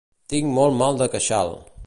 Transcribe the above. Tinc molt mal de queixal